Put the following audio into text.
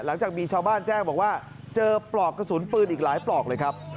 หลังจากมีชาวบ้านแจ้งบอกว่าเจอปลอกกระสุนปืนอีกหลายปลอกเลยครับ